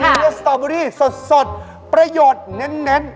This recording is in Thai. มีเวลาสตรอบบุรีสดประโยชน์แน่น